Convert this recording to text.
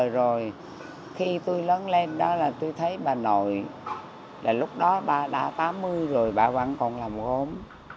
rồi bà văn còn làm gốm